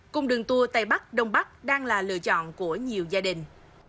cùng đường tour tây bắc đông bắc đang là lựa chọn của nhiều gia đình